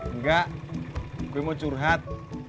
enggak gue mau curhat